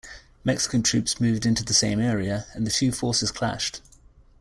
Mexican troops moved into the same area, and the two forces clashed.